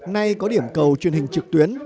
nay có điểm cầu truyền hình trực tuyến